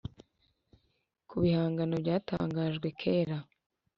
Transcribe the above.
Ku bihangano byatangajwe kera